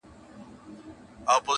پر مزار به مي څراغ د میني بل وي -